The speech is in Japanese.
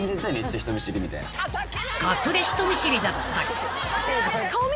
［隠れ人見知りだった］